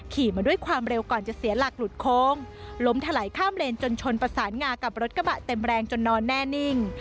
ขี่มาด้วยความเร็วก่อนจะเสียหลักหลุดโค้งล้มถลายข้ามเลนจนชนประสานงากับรถกระบะเต็มแรงจนนอนแน่นิ่ง